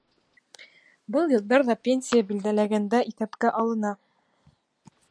Был йылдар ҙа пенсия билдәләгәндә иҫәпкә алына.